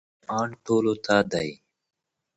قرآن ټولو ته دی.